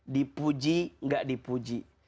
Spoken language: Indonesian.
dipuji gak dipuji